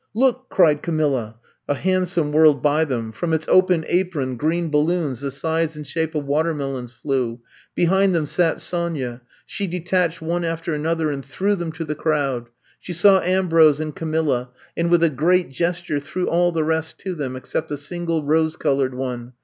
Look!" cried Camilla. A hansom whirled by them ; from its open 190 I'VE COMB TO STAY apron green balloons the size and shape of watermelons flew. Behind them sat Sonya. She detached one after another and threw them to the crowd. She saw Ambrose and Camilla, and with a great gesture threw all the rest to them, except a single rose colored one.